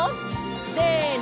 せの！